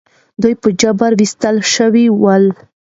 دوی په جبر ویستل شوي ول.